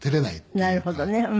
なるほどね。